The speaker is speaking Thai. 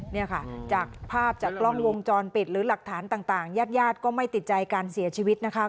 เนี่ยค่ะจากภาพจากกล้องวงจรปิดหรือหลักฐานต่างญาติญาติก็ไม่ติดใจการเสียชีวิตนะคะ